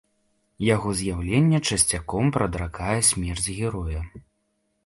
Яго з'яўленне часцяком прадракае смерць героя.